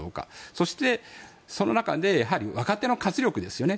そして、その中で若手の活力ですよね。